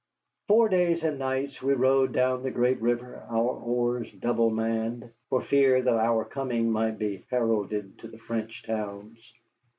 Four days and nights we rowed down the great river, our oars double manned, for fear that our coming might be heralded to the French towns.